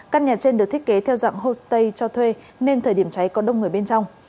căn nhà trên được thiết kế theo dạng homestay cho thuê nên thời điểm cháy có đông người bên trong